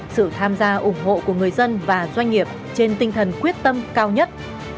sự tham gia ủng hộ của người dân và doanh nghiệp trên tinh thần quyết tâm cao nhất